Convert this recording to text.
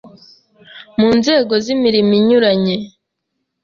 Mu nzego z’imirimo inyuranye